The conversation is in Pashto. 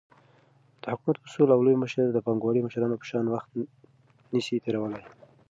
دحكومت مسؤل او لوى مشر دپانگوالو مشرانو په شان وخت نسي تيرولاى،